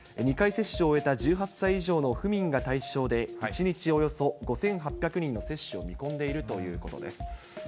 ２回接種を終えた１８歳以上の府民が対象で、１日およそ５８００人の接種を見込んでいるということです。